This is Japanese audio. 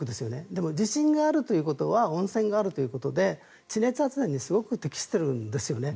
でも地震があるということは温泉があるということで地熱発電にすごく適しているんですね。